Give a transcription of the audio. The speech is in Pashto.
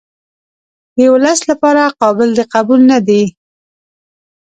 د ولس لپاره قابل د قبول نه دي.